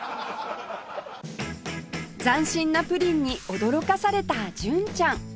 斬新なプリンに驚かされた純ちゃん